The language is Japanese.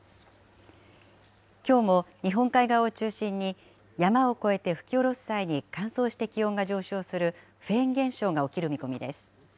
きょうも日本海側を中心に、山を越えて吹き降ろす際に乾燥して気温が上昇する、フェーン現象が起きる見込みです。